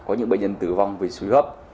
có những bệnh nhân tử vong vì suy hấp